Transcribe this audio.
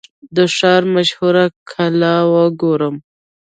د ښار مشهوره کلا وګورم.